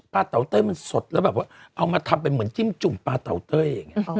ปลาเต้ยมันสดแล้วแบบเอามาทำมันเหมือนจิ้มจุ้มปลาเตาเต้ย